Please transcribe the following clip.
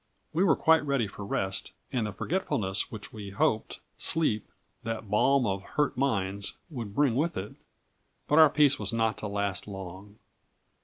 We were quite ready for rest, and the forgetfulness which, we hoped, sleep, that "balm of hurt minds," would bring with it; but our peace was not to last long.